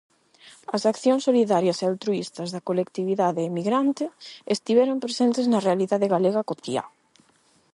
As accións solidarias e altruístas da colectividade emigrante estiveron presentes na realidade galega cotiá.